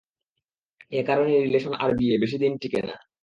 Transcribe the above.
এ কারণেই রিলেশন আর বিয়ে বেশিদিন টিকে না।